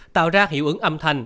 tạo ra hiệu ứng âm thanh ánh sáng